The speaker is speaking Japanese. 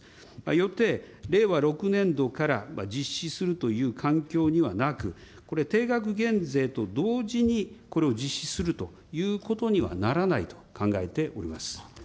依って、令和６年度から実施するという環境にはなく、これ、定額減税と同時にこれを実施するということにはならないと考えております。